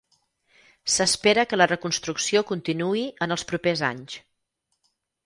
S'espera que la reconstrucció continuï en els propers anys.